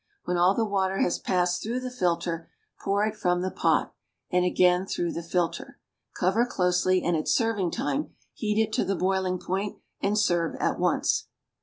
When all the water has passed through the filter, pour it from the pot, and again through the filter. Cover closely; and at serving time heat it to the boiling point and serve at once.